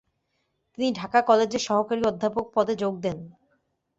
তিনি ঢাকা কলেজের সহকারী অধ্যাপক পদে যোগ দেন।